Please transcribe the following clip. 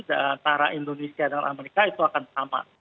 antara indonesia dan amerika itu akan sama